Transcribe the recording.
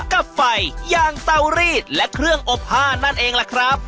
กับไฟอย่างเตารีดและเครื่องอบผ้านั่นเองล่ะครับ